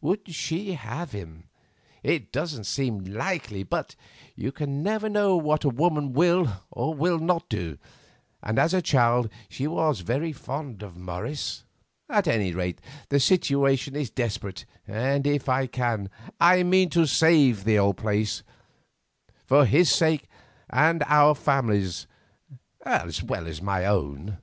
Would she have him? It doesn't seem likely, but you can never know what a woman will or will not do, and as a child she was very fond of Morris. At any rate the situation is desperate, and if I can, I mean to save the old place, for his sake and our family's, as well as my own."